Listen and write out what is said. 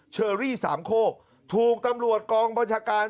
เชอรี่สามโคกถูกตำรวจกองบัญชาการ